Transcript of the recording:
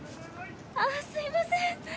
ああすいません！